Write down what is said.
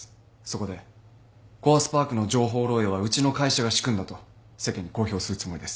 そこでコアスパークの情報漏えいはうちの会社が仕組んだと世間に公表するつもりです。